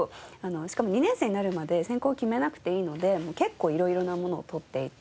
しかも２年生になるまで専攻を決めなくていいのでもう結構いろいろなものを取っていて。